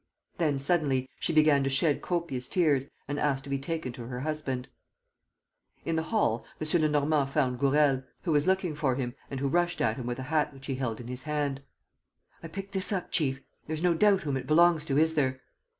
Then, suddenly, she began to shed copious tears and asked to be taken to her husband. In the hall, M. Lenormand found Gourel, who was looking for him and who rushed at him with a hat which he held in his hand: "I picked this up, chief. ... There's no doubt whom it belongs to, is there?"